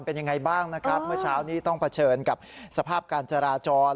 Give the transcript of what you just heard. เป็นยังไงบ้างนะครับเมื่อเช้านี้ต้องเผชิญกับสภาพการจราจร